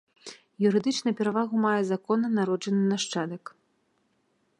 Юрыдычна перавагу мае законна народжаны нашчадак.